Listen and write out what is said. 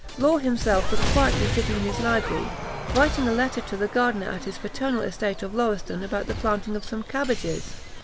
Law himself was quietly sitting in his library, writing a letter to the gardener at his paternal estate of Lauriston about the planting of some cabbages!